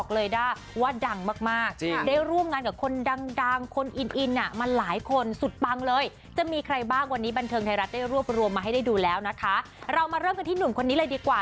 เรามาเริ่มกันลุ้มเหี่ยวเลยดีกว่า